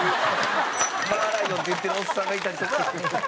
「マーライオン」って言ってるおっさんがいたりとか。